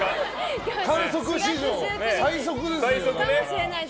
観測史上最速ですよ。